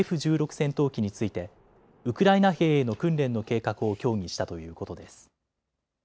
戦闘機についてウクライナ兵への訓練の計画を協議したということです。